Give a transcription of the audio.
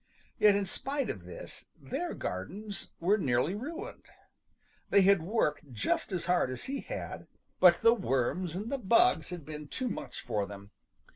Yet in spite of this their gardens were nearly ruined. They had worked just as hard as he had, but the worms and the bugs had been too much for them.